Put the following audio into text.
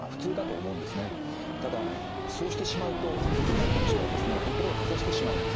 ただそうしてしまうと子供たちはですね心を閉ざしてしまうんですね。